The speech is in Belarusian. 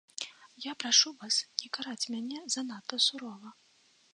Я прашу вас не караць мяне занадта сурова.